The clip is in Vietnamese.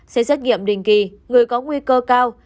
sẽ xét nghiệm đình kỳ người có nguy cơ cao